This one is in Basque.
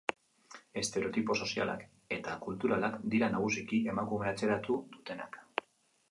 Estereotipo sozialak eta kulturalak dira nagusiki emakumea atzeratu dutenak.